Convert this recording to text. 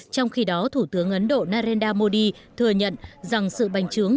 trong khi đó thủ tướng ấn độ narendra modi thừa nhận rằng sự bành trướng